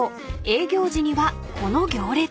営業時にはこの行列］